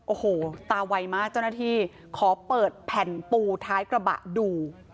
โอ้โหตาไวมากเจ้าหน้าที่ขอเปิดแผ่นปูท้ายกระบะดู